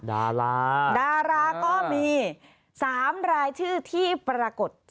ดาราดาราก็มี๓รายชื่อที่ปรากฏ